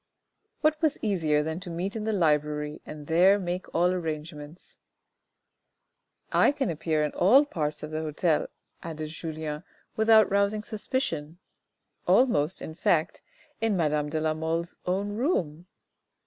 What was easier than to meet in the library, and there make all arrangements ?" I can appear in all parts of the hotel," added Julien, " without rousing suspicion almost, in fact, in madame de la Mole's own room."